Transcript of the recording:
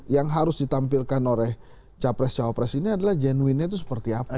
yang harus ditampilkan oleh capres cawapres ini adalah genuinnya itu seperti apa